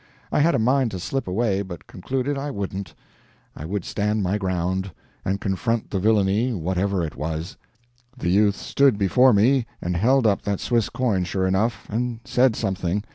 I had a mind to slip away, but concluded I wouldn't; I would stand my ground, and confront the villainy, whatever it was. The youth stood before me and held up that Swiss coin, sure enough, and said something.